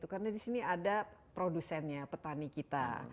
karena di sini ada produsennya petani kita